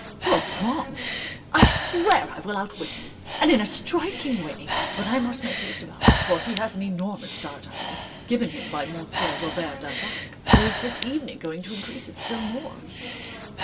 "you are wrong! I swear I will outwit him and in a striking way! But I must make haste about it, for he has an enormous start on me given him by Monsieur Robert Darzac, who is this evening going to increase it still more.